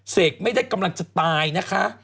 เสกไม่ได้กำลังจะตายนะคะ